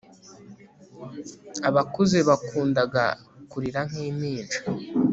abakuze bakundaga kurira nk'impinja